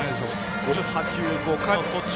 ５８球、５回の途中。